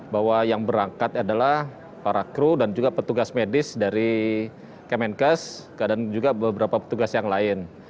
bahwa yang berangkat adalah para kru dan juga petugas medis dari kemenkes dan juga beberapa petugas yang lain